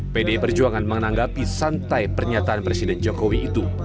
pdi perjuangan menanggapi santai pernyataan presiden jokowi itu